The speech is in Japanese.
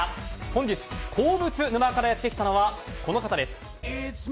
本日、鉱物沼からやってきたのはこの方です。